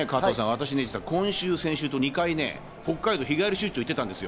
今週、先週と２回、北海道に日帰り出張に行ってたんです。